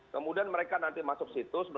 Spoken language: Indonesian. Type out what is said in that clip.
kemudian mereka nanti masuk situs